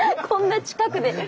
こんな近くで。